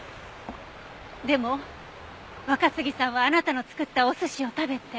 でも若杉さんはあなたの作ったお寿司を食べて。